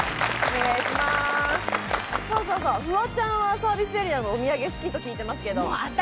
フワちゃんはサービスエリアのお土産好きと聞いていますが。